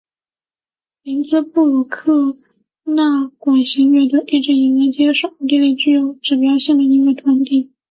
林兹布鲁克纳管弦乐团一直以来皆是奥地利具有指标性的音乐团体。